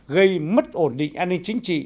gây mất ổn định an ninh chính trị